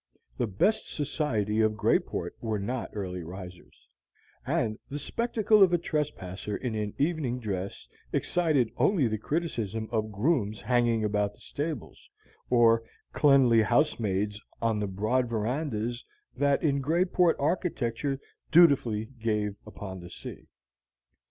The best society of Greyport were not early risers, and the spectacle of a trespasser in an evening dress excited only the criticism of grooms hanging about the stables, or cleanly housemaids on the broad verandas that in Greyport architecture dutifully gave upon the sea.